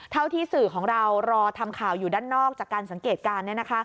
เท่าที่สื่อของเรารอทำข่าวอยู่ด้านนอกจากการสังเกตการณ์